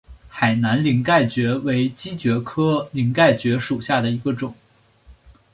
海南鳞盖蕨为姬蕨科鳞盖蕨属下的一个种。